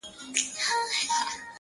تا بدرنگۍ ته سرټيټی په لېونتوب وکړ،